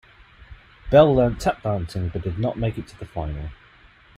Bell learnt tap dancing but did not make it to the final.